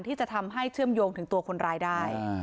ที่จะทำให้เชื่อมโยงถึงตัวคนร้ายได้